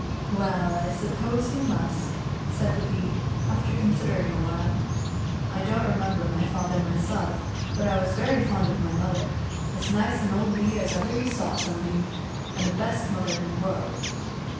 " Well, I suppose you must," said the Bee, after con sidering a while. " I don't remember my father myself, but I was very fond of my mother, as nice an old bee as SUNB/ ^.V AXD IIER WHITE RABBIT. r>9 ever you saw, Sunbeam, and tlie best mother in the vorld.